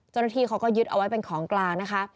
จนทีเขาก็ยึดเอาไว้เป็นของกลางนะคะ